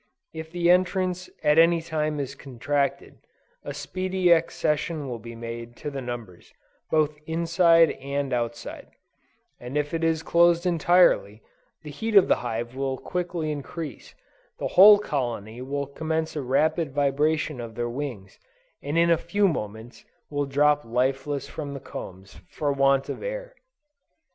If the entrance at any time is contracted, a speedy accession will be made to the numbers, both inside and outside; and if it is closed entirely, the heat of the hive will quickly increase, the whole colony will commence a rapid vibration of their wings, and in a few moments will drop lifeless from the combs, for want of air.